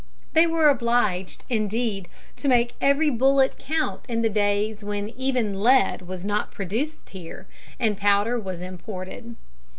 They were obliged, indeed, to make every bullet count in the days when even lead was not produced here, and powder was imported.